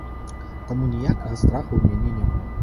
Таму ніякага страху ў мяне няма.